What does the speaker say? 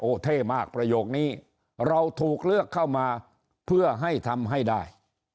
เท่มากประโยคนี้เราถูกเลือกเข้ามาเพื่อให้ทำให้ได้